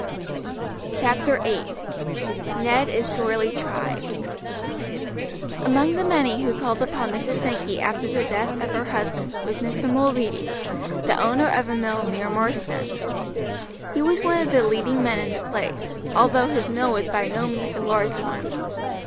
CHAPTER VIII: NED IS SORELY TRIED Among the many who called upon Mrs. Sankey after the death of her husband was Mr. Mulready, the owner of a mill near Marsden. He was one of the leading men in the place, although his mill was by no means a large one.